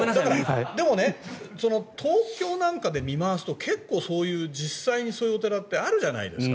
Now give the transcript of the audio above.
でも東京なんかで見まわすと結構そういう実際にそういうお寺ってあるじゃないですか。